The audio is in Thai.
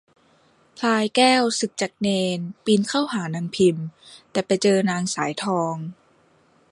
พลายแก้วสึกจากเณร ปีนเข้าหานางพิม แต่ไปเจอนางสายทอง